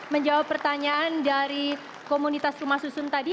menjawab pertanyaan dari komunitas rumah susun tadi